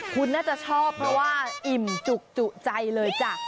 คุณน่าจะชอบเพราะว่าอิ่มจุกจุใจเลยจ้ะ